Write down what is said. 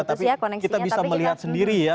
tapi kita bisa melihat sendiri ya